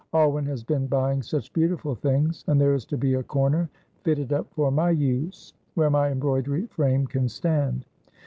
Alwyn has been buying such beautiful things, and there is to be a corner fitted up for my use, where my embroidery frame can stand.